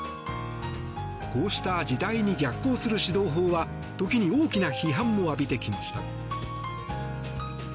こうした時代に逆行する指導法は時に大きな批判も浴びてきました。